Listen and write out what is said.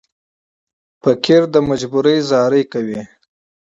سوالګر له اړتیا زاری کوي